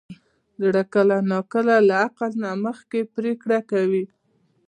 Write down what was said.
زړه کله ناکله له عقل نه مخکې پرېکړه کوي.